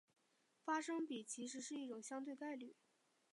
发生比其实是一种相对概率。